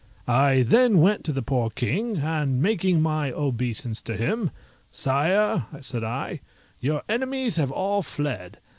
I then went to the poor king, and making my obeisance to him "Sire," said I, "your enemies have all fled.